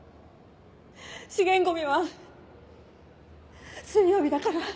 資源ゴミは水曜日だから。